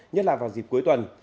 nhất là vào dịp cuối tuần